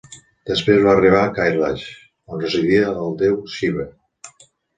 Després va arribar a Kailash, on residia el déu Shiva.